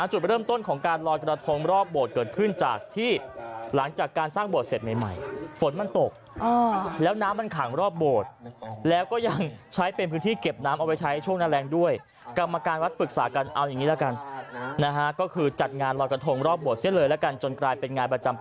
จุดเริ่มต้นของการลอยกระทงรอบโบสถ์เกิดขึ้นจากที่หลังจากการสร้างโบสถเสร็จใหม่ใหม่ฝนมันตกแล้วน้ำมันขังรอบโบสถ์แล้วก็ยังใช้เป็นพื้นที่เก็บน้ำเอาไว้ใช้ช่วงหน้าแรงด้วยกรรมการวัดปรึกษากันเอาอย่างนี้ละกันนะฮะก็คือจัดงานลอยกระทงรอบโบสถเลยแล้วกันจนกลายเป็นงานประจำ